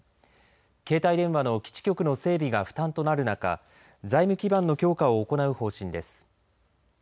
携帯電話の基地局の整備が負担となる中財務基盤の強化を行う方針です。